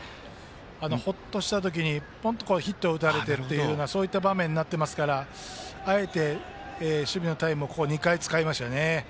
ほっとした時ポンとヒットを打たれるというそういった場面になっていますからあえて守備のタイムを２回使いましたね。